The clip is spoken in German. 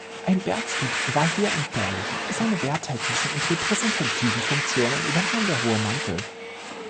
Ein Bergfried war hier entbehrlich, seine wehrtechnischen und repräsentativen Funktionen übernahm der hohe Mantel.